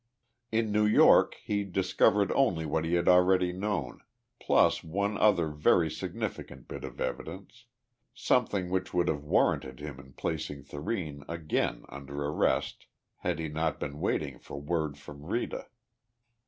In New York he discovered only what he had already known, plus one other very significant bit of evidence something which would have warranted him in placing Thurene again under arrest had he not been waiting for word from Rita.